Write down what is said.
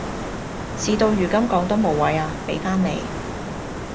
事到如今講多無謂呀，畀返你